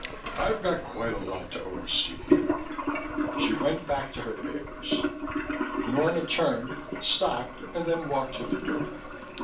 I've got quite a lot to oversee here." She went back to her papers. Norma turned, stopped and then walked to the door.